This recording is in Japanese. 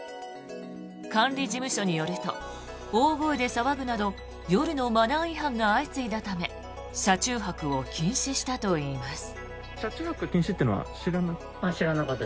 管理事務所によると大声で騒ぐなど夜のマナー違反が相次いだため車中泊を禁止したといいます。